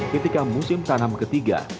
ketika musim tanam ketiga